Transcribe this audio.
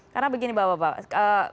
karena begini bapak